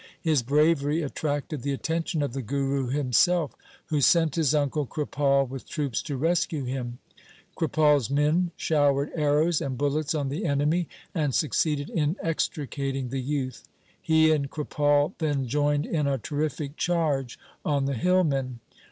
His bravery attracted the attention of the Guru himself who sent his uncle Kripal with troops to rescue him. Kripal's men showered arrows and bullets on the enemy, and succeeded in extricating the youth. He and Kripal then joined in a terrific charge on the hillmen.